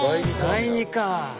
第２か。